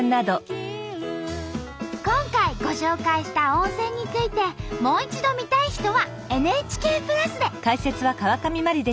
今回ご紹介した温泉についてもう一度見たい人はＮＨＫプラスで。